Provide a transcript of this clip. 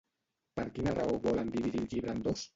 Per quina raó volen dividir el llibre en dos?